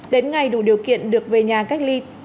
đến ngày đủ điều kiện được về nhà cách ly